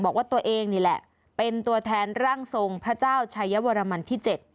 บอกว่าตัวเองนี่แหละเป็นตัวแทนร่างทรงพระเจ้าชายวรมันที่๗